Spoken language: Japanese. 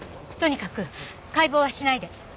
とにかく解剖はしないで！